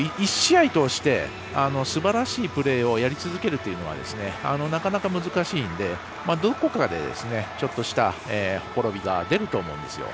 やっぱり１試合、通してすばらしいプレーをやり続けるっていうのはなかなか難しいのでどこかでちょっとしたほころびが出ると思うんですよ。